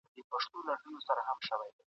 پلان بايد جوړ کړل سي.